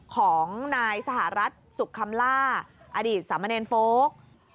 ของนายสหรัฐสุขคำล่าอดีตสามเณรโฟลก